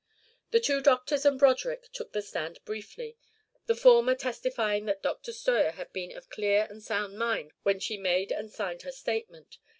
The two doctors and Broderick took the stand briefly, the former testifying that Dr. Steuer had been of clear and sound mind when she made and signed her statement.